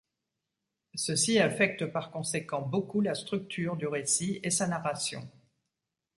Ceci affecte par conséquent beaucoup la structure du récit et sa narration.